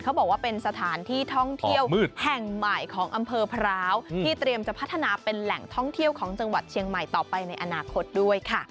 บอกว่าเป็นสถานที่ท่องเที่ยวแห่งใหม่ของอำเภอพร้าวที่เตรียมจะพัฒนาเป็นแหล่งท่องเที่ยวของจังหวัดเชียงใหม่ต่อไปในอนาคตด้วยค่ะ